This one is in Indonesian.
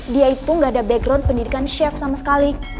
dia itu gak ada background pendidikan chef sama sekali